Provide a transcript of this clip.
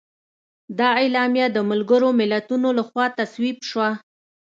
دا اعلامیه د ملګرو ملتونو لخوا تصویب شوه.